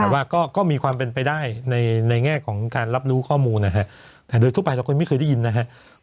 แต่ว่าก็มีความเป็นไปได้ในแง่ของการรับรู้ข้อมูลนะฮะแต่โดยทั่วไปเราก็ไม่เคยได้ยินนะครับ